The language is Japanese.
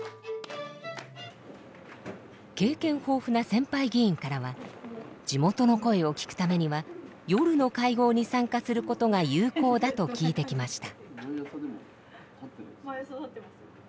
経験豊富な先輩議員からは地元の声を聞くためには夜の会合に参加することが有効だと聞いてきました。